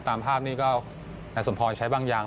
ตามภาพนี้ก็นายสมพรใช้บางอย่าง